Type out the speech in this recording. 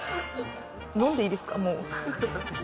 飲んでいいですか？